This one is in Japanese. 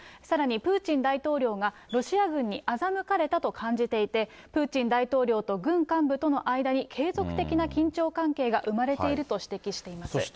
さらにプーチン大統領が、ロシア軍に欺かれたと感じていて、プーチン大統領と軍幹部との間に、継続的な緊張関係が生まれていると指摘しています。